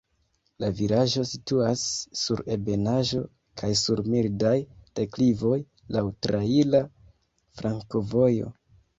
La vilaĝo situas sur ebenaĵo kaj sur mildaj deklivoj, laŭ traira flankovojo.